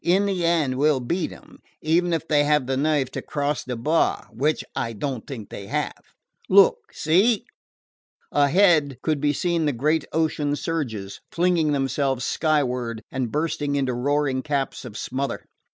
In the end we 'll beat them, even if they have the nerve to cross the bar which I don't think they have. Look! See!" Ahead could be seen the great ocean surges, flinging themselves skyward and bursting into roaring caps of smother.